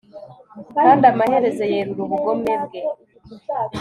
kandi amaherezo yerura ubugome bwe